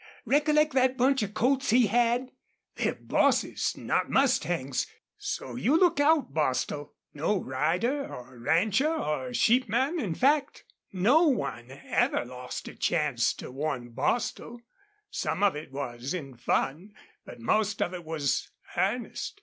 Recollect thet bunch of colts he had? They're hosses, not mustangs.... So you look out, Bostil!" No rider or rancher or sheepman, in fact, no one, ever lost a chance to warn Bostil. Some of it was in fun, but most of it was earnest.